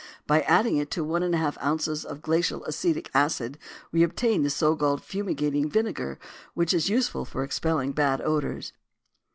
By adding to it 1½ oz. of glacial acetic acid we obtain the so called fumigating vinegar which is very useful for expelling bad odors.